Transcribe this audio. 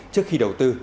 trước khi đầu tư